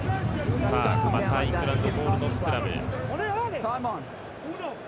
またイングランドのスクラム。